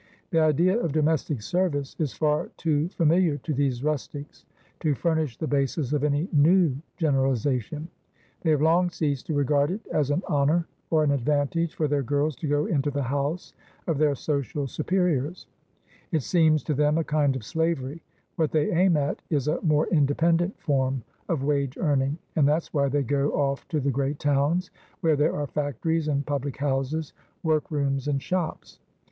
"The idea of domestic service is far too familiar to these rustics to furnish the basis of any new generalisation. They have long ceased to regard it as an honour or an advantage for their girls to go into the house of their social superiors; it seems to them a kind of slavery; what they aim at is a more independent form of wage earning, and that's why they go off to the great towns, where there are factories and public houses, work rooms and shops.